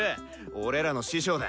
俺らの師匠だ。